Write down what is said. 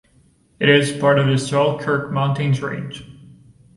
It is part of the Selkirk Mountains range.